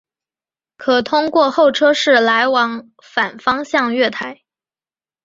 可通过候车室来往反方向月台。